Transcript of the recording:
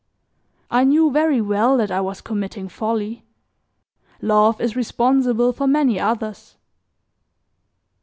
I knew very well that I was committing folly; love is responsible for many others.